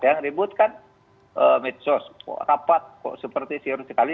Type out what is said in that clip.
yang ribut kan medsos kok rapat kok seperti serius sekali